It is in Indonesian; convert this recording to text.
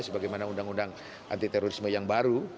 sebagai mana undang undang anti terorisme yang baru